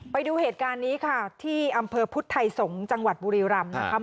ไปดูเหตุการณ์นี้ค่ะที่อำเภอพุทธไทยสงศ์จังหวัดบุรีรำนะคะ